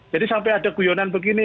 jadi sampai ada guyonan begini